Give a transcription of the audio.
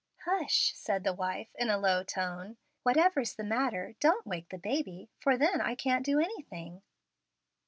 "Hush," said the wife, in a low tone; "whatever's the matter don't wake the baby, for then I can't do anything."